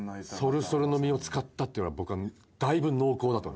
ソルソルの実を使ったってのは僕だいぶ濃厚だと思います。